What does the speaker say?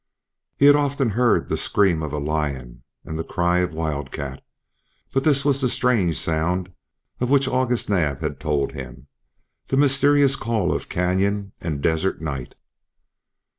He had often heard the scream of lion and cry of wildcat, but this was the strange sound of which August Naab had told him, the mysterious call of canyon and desert night.